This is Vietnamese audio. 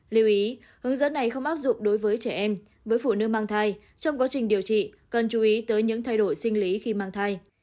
lưu ý hướng dẫn này không áp dụng đối với trẻ em với phụ nữ mang thai trong quá trình điều trị cần chú ý tới những thay đổi sinh lý khi mang thai